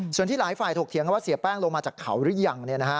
ส่วนที่หลายฝ่ายถกเถียงกันว่าเสียแป้งลงมาจากเขาหรือยัง